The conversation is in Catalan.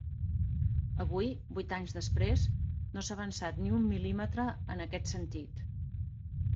Avui, vuit anys després, no s'ha avançat ni un mil·límetre en aquest sentit.